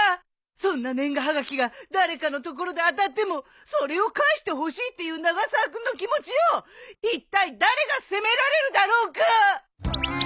そんな年賀はがきが誰かのところで当たってもそれを返してほしいっていう永沢君の気持ちをいったい誰が責められるだろうか！